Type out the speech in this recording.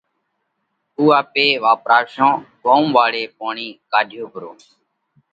اُو آپي واپراشون ڳوم واۯي پوڻِي ڪاڍيو پرو